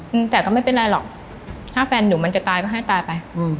อืมแต่ก็ไม่เป็นไรหรอกถ้าแฟนหนูมันจะตายก็ให้ตายไปอืม